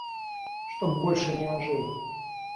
Чтоб больше не ожил.